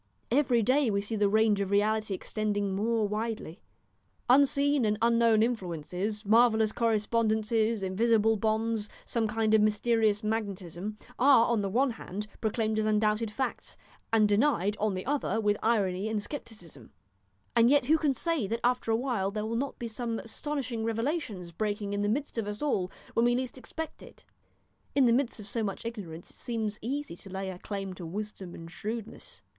Every day we see the range of reality extending more widely. Unseen and unknown influences, marvellous correspondences, invisible bonds, some kind of mysterious magnetism, are, on the one hand, proclaimed as undoubted facts, and denied on the other with irony and scepticism, and yet who can say that after a while there will not be some astonishing revelations breaking in in the midst of us all when we least expect it? In the midst of so much ignorance it seems easy to lay a claim to wisdom and shrewdness.